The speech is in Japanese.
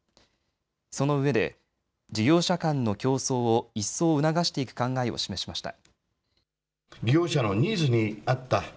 そのうえで事業者間の競争を一層、促していく考えを示しました。